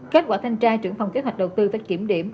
kết quả thanh tra trưởng phòng kế hoạch đầu tư tới kiểm điểm